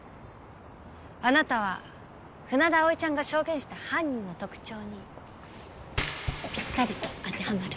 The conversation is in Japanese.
あなたは船田葵ちゃんが証言した犯人の特徴にぴったりと当てはまる。